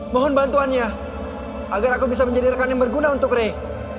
mohon bantuannya agar aku bisa menjadi rekan yang berguna untuk ray